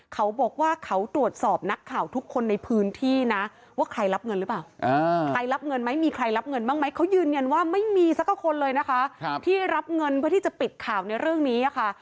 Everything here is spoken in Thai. เขาบอกว่าเขาตรวจสอบนักข่าวทุกคนในพื้นที่นะว่าใครรับเงินหรือเปล่าใครรับเงินไหมมีใครรับเงินบ้างไหมเขายืนยันว่าไม่มีสักคนเลยนะคะที่รับเงินเพื่อที่จะปิดข่าวในเรื่องนี้ค่ะ